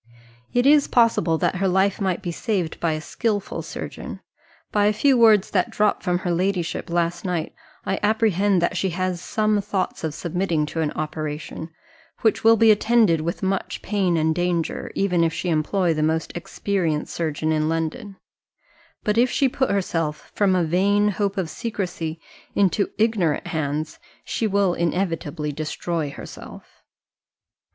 "It is possible that her life might be saved by a skilful surgeon. By a few words that dropped from her ladyship last night, I apprehend that she has some thoughts of submitting to an operation, which will be attended with much pain and danger, even if she employ the most experienced surgeon in London; but if she put herself, from a vain hope of secrecy, into ignorant hands, she will inevitably destroy herself."